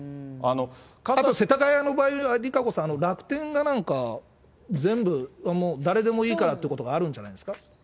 あと世田谷の場合は、ＲＩＫＡＣＯさん、楽天がなんか、全部、誰でもいいからっていうことがあるんじゃないですか。